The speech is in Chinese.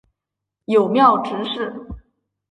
友庙执事。